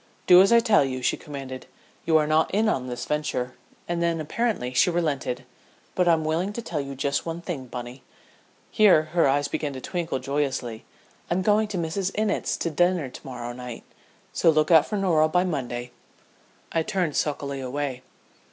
"Do as I tell you," she commanded. "You are not in on this venture." And then apparently she relented. "But I'm willing to tell you just one thing, Bunny" here her eyes began to twinkle joyously "I'm going to Mrs. Innitt's to dinner to morrow night so look out for Norah by Monday." I turned sulkily away.